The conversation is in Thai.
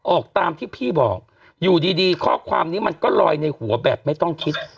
ออกตามที่พี่บอกอยู่ดีข้อความนี้มันก็ลอยในหัวแบบไม่ต้องคิด